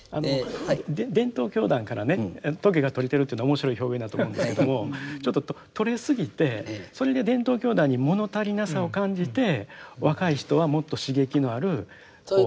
伝統教団からね棘が取れてるというのは面白い表現だと思うんですけどもちょっと取れすぎてそれで伝統教団に物足りなさを感じて若い人はもっと刺激のあるカルトに。